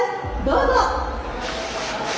どうぞ。